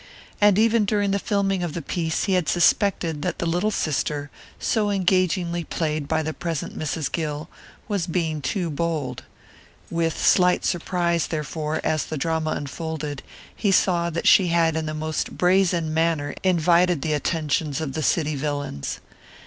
And even during the filming of the piece he had suspected that the little sister, so engagingly played by the present Mrs. Gill, was being too bold. With slight surprise, therefore, as the drama unfolded, he saw that she had in the most brazen manner invited the attentions of the city villains.